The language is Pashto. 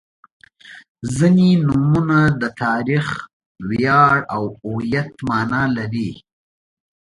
• ځینې نومونه د تاریخ، ویاړ او هویت معنا لري.